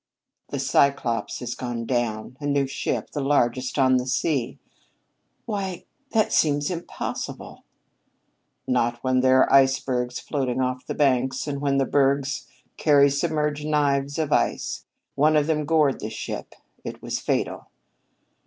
"The Cyclops has gone down a new ship, the largest on the sea." "Why, that seems impossible." "Not when there are icebergs floating off the banks and when the bergs carry submerged knives of ice. One of them gored the ship. It was fatal."